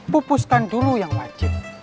pupuskan dulu yang wajib